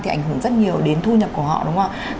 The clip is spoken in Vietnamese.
thì ảnh hưởng rất nhiều đến thu nhập của họ đúng không ạ